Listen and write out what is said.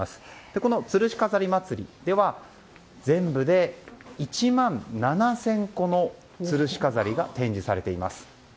このつるし飾りまつりでは全部で１万７０００個のつるし飾りが展示されています。